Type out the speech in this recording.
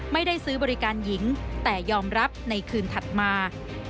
ไม่ได้ซื้อบริการหญิงแต่ยอมรับในคืนถัดมา